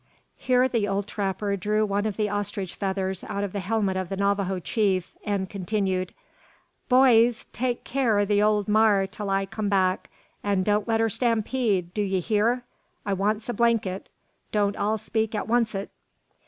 Here the old trapper drew one of the ostrich feathers out of the helmet of the Navajo chief, and continued "Boyees! take care o' the ole mar till I kum back, an don't let her stampede, do 'ee hear. I wants a blanket. Don't all speak at oncest!"